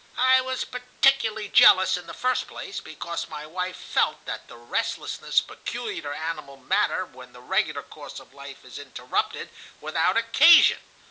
I was particularly jealous, in the first place, because my wife felt that restlessness peculiar to animal matter when the regular course of life is interrupted without occasion.